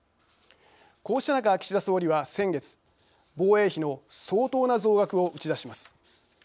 こうした中、岸田総理は先月防衛費の「相当な増額」を打ち出します。